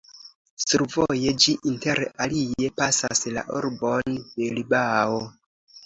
Survoje ĝi inter alie pasas la urbon Bilbao.